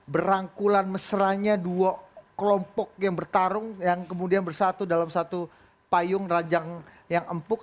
berangkulan mesranya dua kelompok yang bertarung yang kemudian bersatu dalam satu payung rajang yang empuk